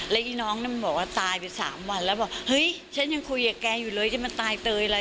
แล้วอีน้องนั้นบอกว่าตายไป๓วันแล้วบอกเฮ้ยฉันยังคุยกับแกอยู่เลยจะมาตายเตยอะไร